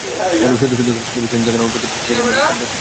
শুধু খেলেই না, টেলিভিশনে দেখানো প্রতিটি ক্রিকেট ম্যাচই তার দেখা চাই।